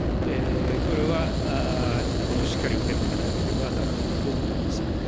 これはしっかり受け止めなければならないと思います。